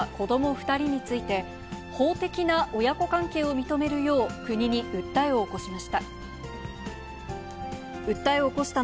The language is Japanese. ２人について、法的な親子関係を認めるよう、国に訴えを起こしました。